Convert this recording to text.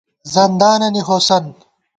زندانَنی ہوسَند